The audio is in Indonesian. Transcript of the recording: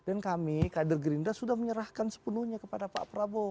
dan kami kadir gerinda sudah menyerahkan sepenuhnya kepada pak prabowo